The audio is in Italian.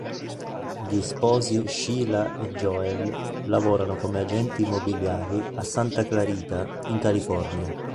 Gli sposi Sheila e Joel lavorano come agenti immobiliari a Santa Clarita, in California.